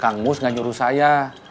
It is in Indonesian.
kang mus nggak nyuruh saya